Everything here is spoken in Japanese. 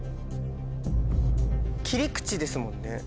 切り口ですもんね。